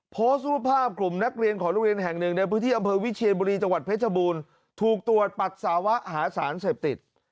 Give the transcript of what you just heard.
โพสต์รูปภาพกลุ่มนักเรียนของโรงเรียนแห่งหนึ่งในพื้นที่อำเภอวิเชียนบุรีจังหวัดเพชรบูรณ์ถูกตรวจปัสสาวะหาสารเสพติด